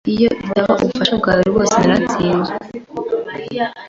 Iyo itaba ubufasha bwawe, rwose naratsinzwe.